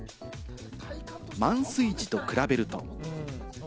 満水時と比べると。